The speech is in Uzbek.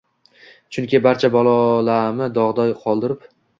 Chunki, barcha balolami dog‘da qoldirib